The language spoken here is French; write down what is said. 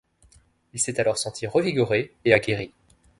Il s'est alors senti revigoré et a guéri.